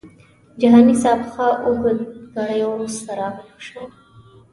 جهاني صاحب ښه اوږد ګړی وروسته راویښ شو.